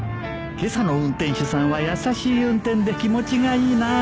けさの運転手さんは優しい運転で気持ちがいいなぁ